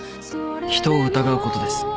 人を疑うことです。